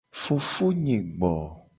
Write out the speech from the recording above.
Fofonye gbo.